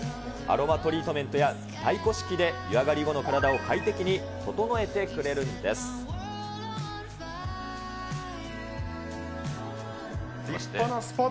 アロマトリートメントやタイ古式で湯上り後の体を快適に整えてく立派なスパだ。